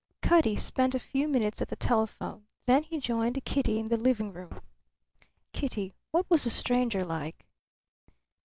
Cutty spent a few minutes at the telephone, then he joined Kitty in the living room. "Kitty, what was the stranger like?"